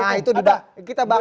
nah itu tidak